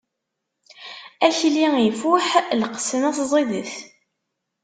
Akli ifuḥ, lqesma-s ẓidet.